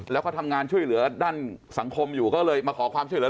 แล้วก็ทำงานช่วยเหลือด้านสังคมอยู่ก็เลยมาขอความช่วยเหลือ